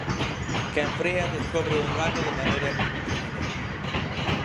Quen frea descobre o engano de maneira inminente.